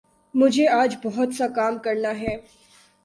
مجھے آج بہت سا کام کرنا ہے